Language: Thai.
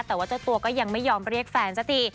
แต่ว่าเจ้าตัวก็ยังไม่ยอมเรียกแฟนสักที